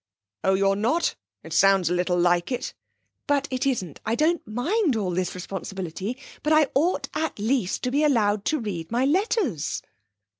'Oh, you're not! It sounded a little like it.' 'But it isn't. I don't mind all this responsibility, but I ought, at least, to be allowed to read my letters.'